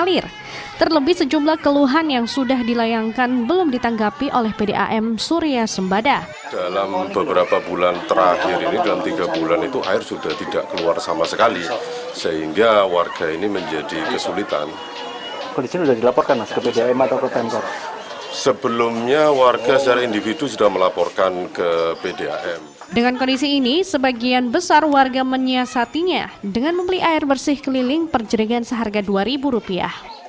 persebaya surabaya sukses menaklukkan psis semarang dalam pertandingan perdana babak delapan besar di bandung jawa barat